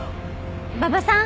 馬場さん？